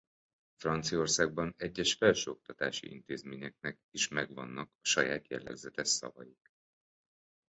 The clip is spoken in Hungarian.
Franciaországban egyes felsőoktatási intézményeknek is megvannak a saját jellegzetes szavaik.